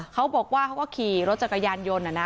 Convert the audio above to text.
เขาบอกว่าเขาก็ขี่รถจักรยานยนต์